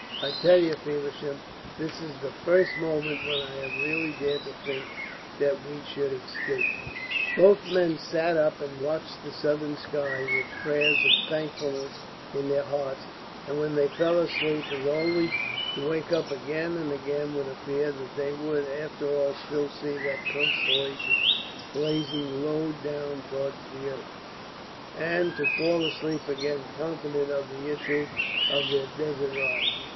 I tell you, Feversham, this is the first moment when I have really dared to think that we should escape." Both men sat up and watched the southern sky with prayers of thankfulness in their hearts; and when they fell asleep it was only to wake up again and again with a fear that they would after all still see that constellation blazing low down towards the earth, and to fall asleep again confident of the issue of their desert ride.